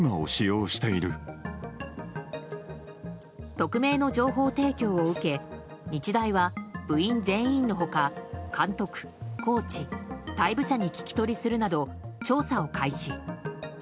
匿名の情報提供を受け、日大は部員全員の他監督、コーチ、退部者に聞き取りするなど調査を開始。